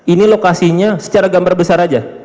ini lokasinya secara gambar besar aja